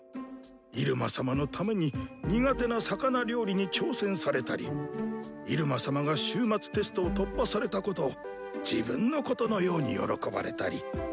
イルマ様のために苦手な魚料理に挑戦されたりイルマ様が終末テストを突破されたことを自分のことのように喜ばれたり。